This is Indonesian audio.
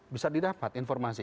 bisa didapat informasi